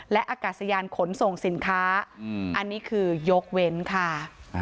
และอากาศยานขนส่งสินค้าอันนี้คือยกเว้นค่ะ